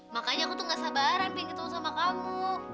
makanya aku tuh gak sabaran pengen ketemu sama kamu